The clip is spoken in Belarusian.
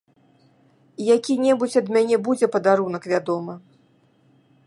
Які-небудзь ад мяне будзе падарунак, вядома.